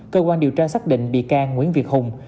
cơ quan điều tra xác định bị can nguyễn việt hùng